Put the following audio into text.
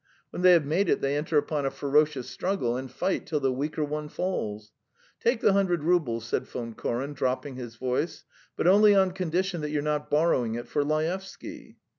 When they have made it they enter upon a ferocious struggle and fight till the weaker one falls. Take the hundred roubles," said Von Koren, dropping his voice, "but only on condition that you're not borrowing it for Laevsky."